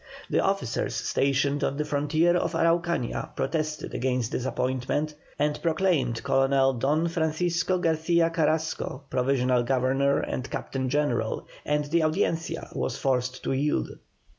The officers stationed on the frontier of Araucania protested against this appointment, and proclaimed Colonel Don Francisco Garcia Carrasco Provisional Governor and Captain General, and the Audiencia was forced to yield.